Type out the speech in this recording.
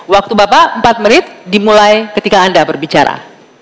waktu bapak empat menit dimulai ketika anda berbicara